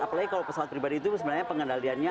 apalagi kalau pesawat pribadi itu sebenarnya pengendaliannya